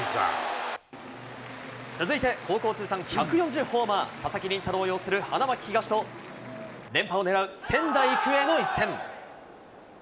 続いて、高校通算１４０ホーマー、佐々木麟太郎擁する花巻東と、連覇をねらう仙台育英の一戦。